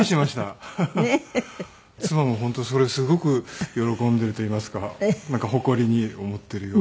妻も本当それすごく喜んでいるといいますかなんか誇りに思っているようで。